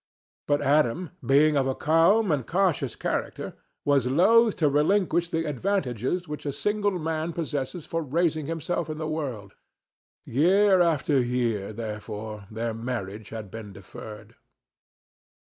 But Adam, being of a calm and cautious character, was loth to relinquish the advantages which a single man possesses for raising himself in the world. Year after year, therefore, their marriage had been deferred.